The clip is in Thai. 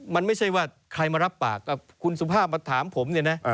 มันไม่ใช่ว่าใครมารับปากกับคุณสุภาพมาถามผมเนี่ยนะ